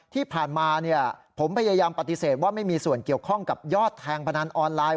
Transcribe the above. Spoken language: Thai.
ที่ผ่านมาผมพยายามปฏิเสธว่าไม่มีส่วนเกี่ยวข้องกับยอดแทงพนันออนไลน์